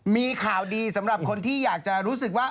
มีข่าวดีสำหรับคนที่อยากจะรู้สึกว่า